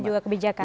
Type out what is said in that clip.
dan juga kebijakan